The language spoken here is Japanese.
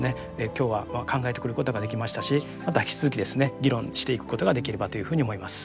今日は考えてくることができましたしまた引き続きですね議論していくことができればというふうに思います。